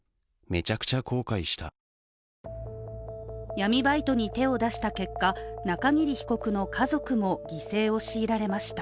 闇バイトに手を出した結果中桐被告の家族も犠牲を強いられました。